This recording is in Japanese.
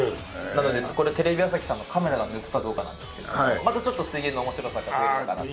なのでこれテレビ朝日さんのカメラが抜くかどうかなんですけどもまたちょっと水泳の面白さが出るのかなと。